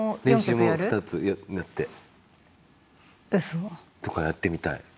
練習も２つやって。とかやってみたい。